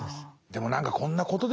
でも何かこんなことですよね。